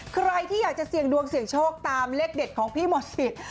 ใครที่อยากจะเสี่ยงดวงเสี่ยงโชคตามเลขเด็ดของพี่หมดสิทธิ์